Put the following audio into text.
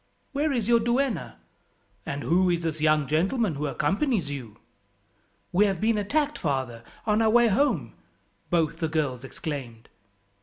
Where is your duenna? and who is this young gentleman who accompanies you?" "We have been attacked, father, on our way home," both the girls exclaimed.